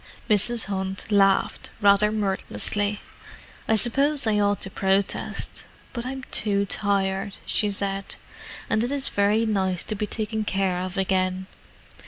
Mrs. Hunt laughed, rather mirthlessly. "I suppose I ought to protest—but I'm too tired," she said. "And it is very nice to be taken care of again.